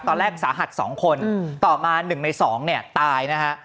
ตอนแรกสาหัสสองคนต่อมาหนึ่งในสองเนี่ยตายนะฮะ